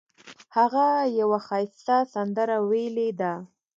هغه یوه ښایسته سندره ویلې ده